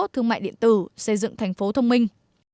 thương mại điện tử xây dựng thành phố thông minh